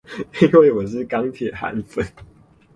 因為我是鋼鐵韓粉